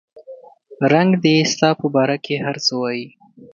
رنګ دې ستا په باره کې هر څه وایي